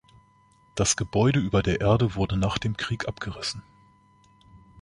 Das Gebäude über der Erde wurde nach dem Krieg abgerissen.